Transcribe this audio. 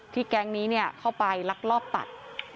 แก๊งนี้เข้าไปลักลอบตัด